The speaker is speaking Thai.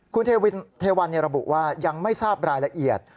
คุณเทวันระบุว่ายังไม่ทราบรายละเอียด